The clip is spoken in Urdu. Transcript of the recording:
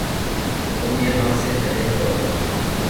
تم یہاں سے چلے جاؤ